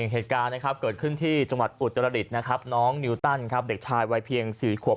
เหตุการณ์เกิดขึ้นที่จังหวัดอุตรดิษฐ์น้องนิวตั้นเด็กชายวัยเพียง๔ขวบ